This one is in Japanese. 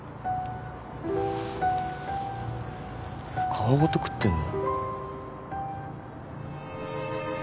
皮ごと食ってんの？